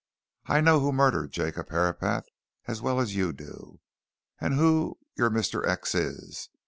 I know who murdered Jacob Herapath as well as you do, and who your Mr. X. is.